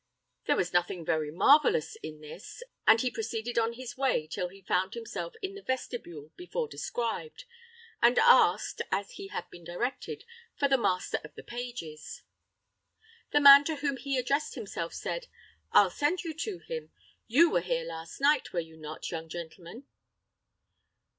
There was nothing very marvelous in this, and he proceeded on his way till he found himself in the vestibule before described, and asked, as he had been directed, for the master of the pages. The man to whom he addressed himself said, "I'll send you to him. You were here last night, were you not, young gentleman?"